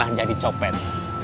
saya pernah jadi copet